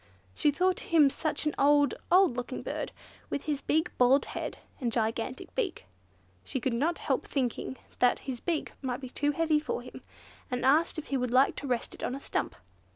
She thought him such an old, old looking bird, with his big bald head, and gigantic beak. She could not help thinking that his beak must be too heavy for him, and asked if he would like to rest it on the stump.